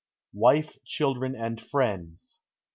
WIFE, CHILDREN, AND FRIENDS.